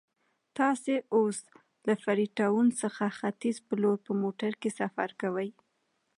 تاسو اوس له فري ټاون څخه ختیځ په لور په موټر کې سفر کوئ.